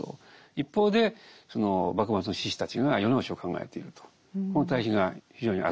一方でその幕末の志士たちが世直しを考えているとこの対比が非常に鮮やかに書かれてますけれども。